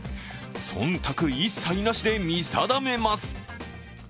そんたく一切なしで見定めます。